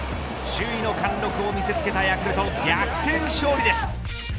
首位の貫禄を見せつけたヤクルト逆転勝利です。